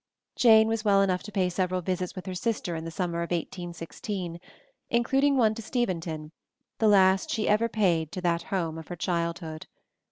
Jane was well enough to pay several visits with her sister in the summer of 1816, including one to Steventon, the last she ever paid to that home of her childhood.